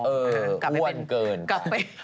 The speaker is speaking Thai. อ้วนเกินไป